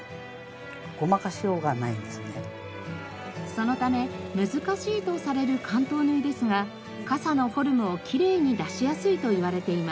そのため難しいとされる関東縫いですが傘のフォルムをきれいに出しやすいといわれています。